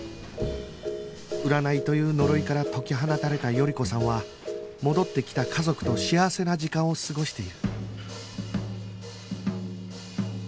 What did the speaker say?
占いという呪いから解き放たれた頼子さんは戻ってきた家族と幸せな時間を過ごしている